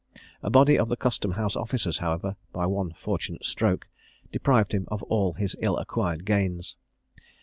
A body of the Custom house officers, however, by one fortunate stroke, deprived him of all his ill acquired gains.